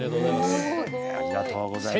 ありがとうございます。